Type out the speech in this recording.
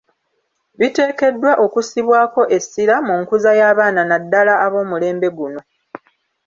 Biteekeddwa okussibwako essira mu nkuza y’abaana naddala ab’omulembe guno.